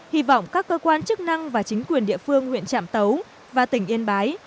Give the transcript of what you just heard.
hy vọng các cơ quan chức năng và chính quyền địa phương huyện trạm tấu và tỉnh yên bái